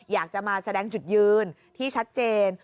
อยากจะมาแสดงจุดยืนที่ชัดเจน